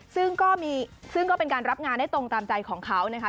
ซึ่งก็มีซึ่งก็เป็นการรับงานได้ตรงตามใจของเขานะคะ